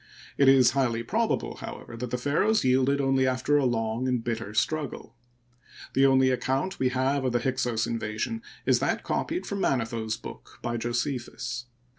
It is highly probable, however, that the pharaohs yielded only after a long and bitter struggle. The only account we have of the Hyksos invasion is that copied from Ma netho's book by Josephus.